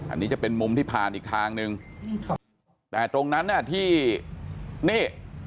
อันนี้จะเป็นมุมที่ผ่านอีกทางหนึ่งแต่ตรงนั้นน่ะที่นี่